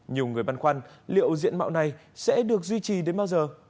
nhiều người băn khoăn liệu diện mạo này sẽ được duy trì đến bao giờ